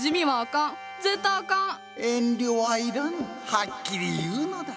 はっきり言うのだ。